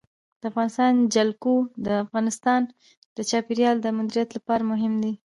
د افغانستان جلکو د افغانستان د چاپیریال د مدیریت لپاره مهم دي.